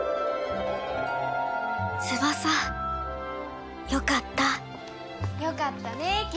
翼よかったよかったね雉野。